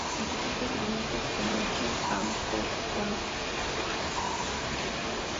El distrito es el único oficialmente francófono.